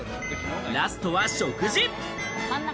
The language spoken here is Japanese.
ラストは食事。